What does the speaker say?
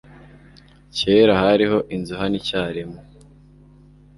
Kera hariho inzu hano icyarimwe.